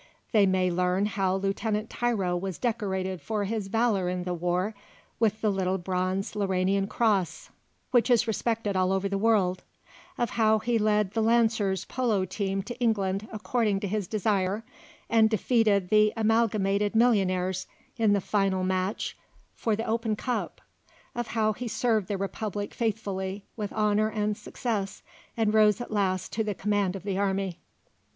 They may learn how Lieutenant Tiro was decorated for his valour in the war with the little bronze Lauranian Cross which is respected all over the world; of how he led the Lancers' polo team to England according to his desire, and defeated the Amalgamated Millionaires in the final match for the Open Cup; of how he served the Republic faithfully with honour and success and rose at last to the command of the army.